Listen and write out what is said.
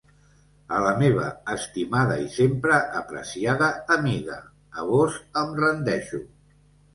A la meva estimada i sempre apreciada amiga, a vós em rendeixo.